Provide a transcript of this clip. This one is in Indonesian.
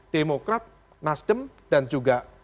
demokrat nasdem dan juga